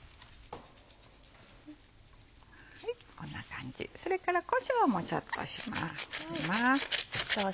こんな感じそれからこしょうもちょっと振ります。